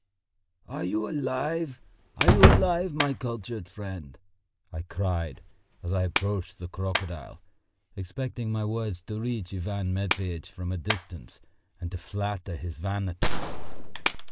"Are you alive, are you alive, my cultured friend?" I cried, as I approached the crocodile, expecting my words to reach Ivan Matveitch from a distance and to flatter his vanity.